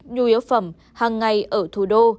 nhu yếu phẩm hàng ngày ở thủ đô